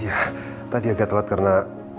ya tadi agak telat karena